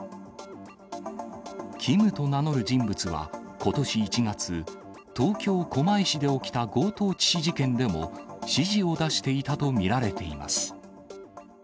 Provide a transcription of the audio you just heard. キムと名乗る人物はことし１月、東京・狛江市で起きた強盗致死事件でも、指示を出していたと見られています。